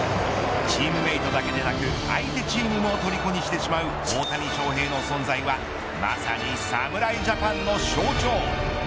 チームメートだけでなく相手チームもとりこにしてしまう大谷翔平の存在はまさに侍ジャパンの象徴。